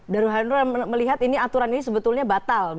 dari handrol melihat aturan ini sebetulnya batal